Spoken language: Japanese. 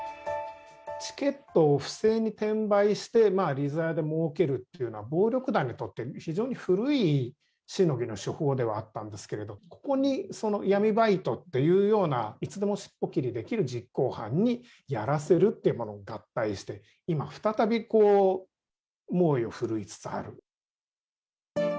チケットを不正に転売して、利ざやでもうけるっていうのは、暴力団にとって非常に古いしのぎの手法ではあったんですけれど、ここに、闇バイトっていうようないつでも尻尾切りできる実行犯にやらせるっていうものを合体して、今再び猛威を振るいつつある。